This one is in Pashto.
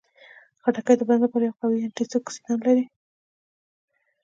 خټکی د بدن لپاره یو قوي انټياکسیدان لري.